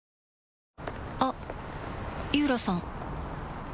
あっ井浦さん